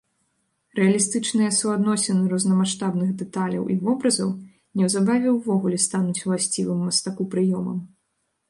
Рэалістычныя суадносіны рознамаштабных дэталяў і вобразаў неўзабаве ўвогуле стануць уласцівым мастаку прыёмам.